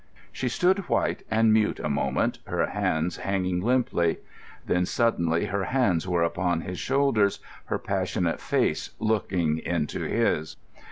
She stood white and mute a moment, her hands hanging limply. Then suddenly her hands were upon his shoulders, her passionate face looking into his.